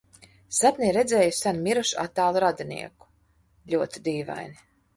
Sapnī redzēju sen mirušu attālu radinieku - ļoti dīvaini.